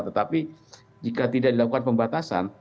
tetapi jika tidak dilakukan pembatasan